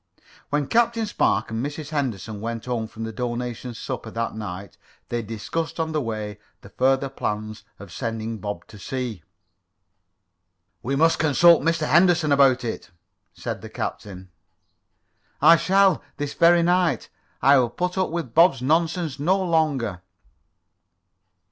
When Captain Spark and Mrs. Henderson went home from the donation supper that night they discussed on the way the further plans of sending Bob to sea. "We must consult Mr. Henderson about it," said the captain. "I shall, this very night. I will put up with Bob's nonsense no longer."